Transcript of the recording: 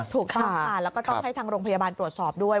ถูกต้องค่ะแล้วก็ต้องให้ทางโรงพยาบาลตรวจสอบด้วย